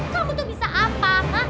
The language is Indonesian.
kamu tuh bisa apa